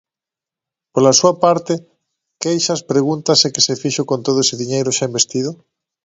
Pola súa parte, Queixas pregúntase que se fixo con todo ese diñeiro xa investido?